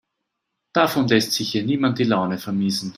Davon lässt sich hier niemand die Laune vermiesen.